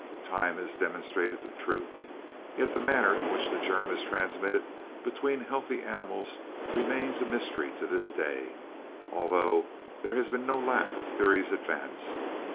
Time has demonstrated the truth, yet the manner in which the germ is transmitted between healthy animals remains a mystery to this day, although there has been no lack of theories advanced.